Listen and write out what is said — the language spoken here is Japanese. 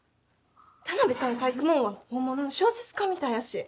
田辺さんが書くもんは本物の小説家みたいやし。